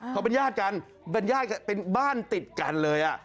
เขาเป็นญาติกันเป็นบ้านติดกันเลยอ่ะ